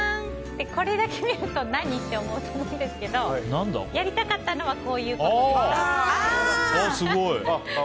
これだけ見ると何？って思うと思うんですけどやりたかったのはこういうことです。